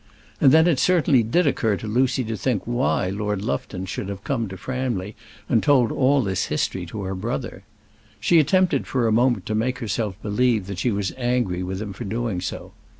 And then it certainly did occur to Lucy to think why Lord Lufton should have come to Framley and told all this history to her brother. She attempted for a moment to make herself believe that she was angry with him for doing so.